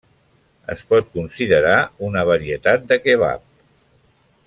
Es pot considerar una varietat de kebab.